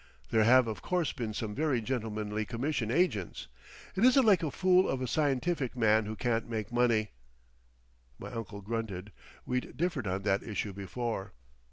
There have of course been some very gentlemanly commission agents. It isn't like a fool of a scientific man who can't make money!" My uncle grunted; we'd differed on that issue before.